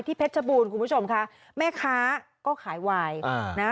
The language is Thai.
เพชรบูรณ์คุณผู้ชมค่ะแม่ค้าก็ขายวายอ่านะ